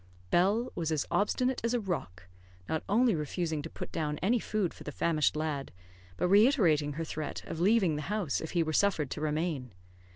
Bell was as obstinate as a rock, not only refusing to put down any food for the famished lad, but reiterating her threat of leaving the house if he were suffered to remain.